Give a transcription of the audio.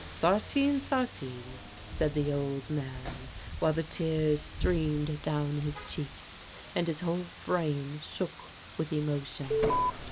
'" "Sartin, sartin," said the old man, while the tears streamed down his cheeks, and his whole frame shook with emotion.